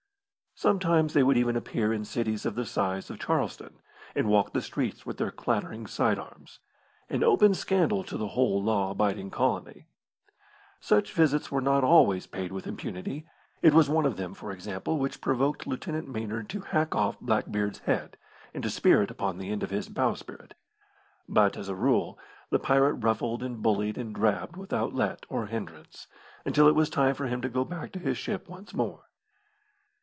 Sometimes they would even appear in cities of the size of Charleston, and walk the streets with their clattering side arms an open scandal to the whole law abiding colony. Such visits were not always paid with impunity. It was one of them, for example, which provoked Lieutenant Maynard to hack off Blackbeard's head, and to spear it upon the end of his bowsprit. But, as a rule, the pirate ruffled and bullied and drabbed without let or hindrance, until it was time for him to go back to his ship once more.